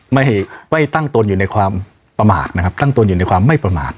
ไม่ไม่ตั้งตนอยู่ในความประมาทนะครับตั้งตนอยู่ในความไม่ประมาท